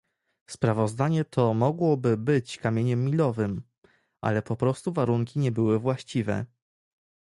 Sprawozdanie to mogłoby być kamieniem milowym, ale po prostu warunki nie były właściwe